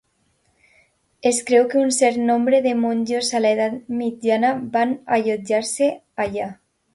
Es creu que un cert nombre de monjos a l'Edat Mitjana van allotjar-se allà.